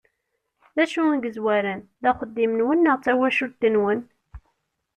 D acu i yezwaren, d axeddim-nwen neɣ d tawacult-nwen?